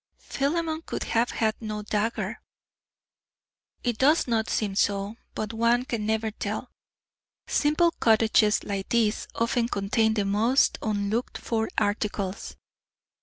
Philemon could have had no dagger." "It does not seem so, but one can never tell. Simple cottages like these often contain the most unlooked for articles."